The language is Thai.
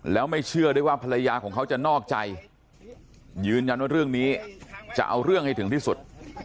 แล้วไม่เชื่อด้วยว่าภรรยาของเขาจะนอกใจยืนยันว่าเรื่องนี้จะเอาเรื่องให้ถึงที่สุด